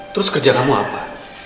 terus kerja kamu apa